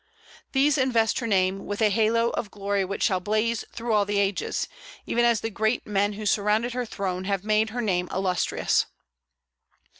These invest her name with a halo of glory which shall blaze through all the ages, even as the great men who surrounded her throne have made her name illustrious.